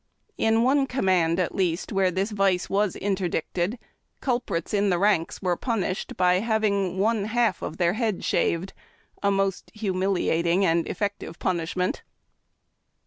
In one com mand, at least, where this vice was interdicted, culprits in the ranks were punished by having one half of tlie head shaved — a most hu miliating and effective pun ishment.